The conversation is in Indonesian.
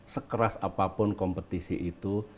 sekeras apapun kompetisi itu